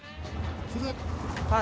はい。